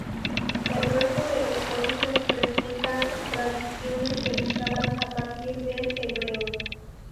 El resto de los códices presentan traducciones realizadas a partir del hebreo.